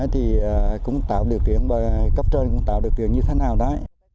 thì cũng tạo điều kiện cấp trên cũng tạo điều kiện như thế nào đó